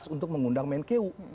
untuk mengundang menkeu